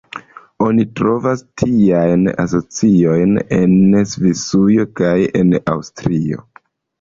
Oni trovas tiajn asociojn en Svisujo kaj en Aŭstrio.